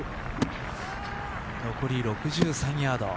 残り６３ヤード。